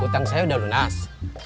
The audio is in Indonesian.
utang saya udah lunas